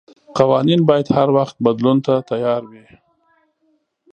قوانين بايد هر وخت بدلون ته تيار وي.